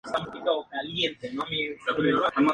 Pero se había comprado su casa.